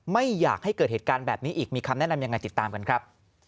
ไม่อยากให้เกิดเหตุการณ์แบบนี้อีกมีคำแนะนำยังไงติดตามกันครับ